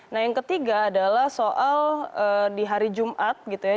nah yang ketiga adalah soal di hari jumat gitu ya